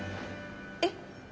えっ？